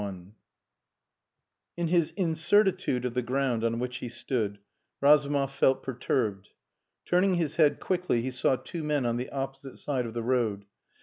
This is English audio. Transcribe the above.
IV In his incertitude of the ground on which he stood Razumov felt perturbed. Turning his head quickly, he saw two men on the opposite side of the road.